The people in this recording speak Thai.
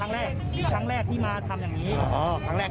ครั้งแรกที่มาทำอย่างนี้อ๋อครั้งแรก